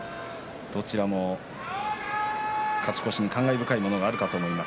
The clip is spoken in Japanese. どちらも勝ち越しに感慨深いものがあるかと思います。